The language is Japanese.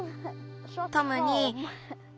トムに。